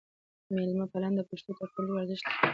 میلمه پالنه د پښتنو تر ټولو لوی ارزښت دی.